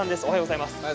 おはようございます。